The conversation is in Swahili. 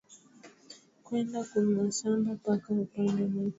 Kwenda ku mashamba paka upande moto